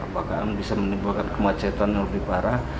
bahkan bisa menimbulkan kemacetan yang lebih parah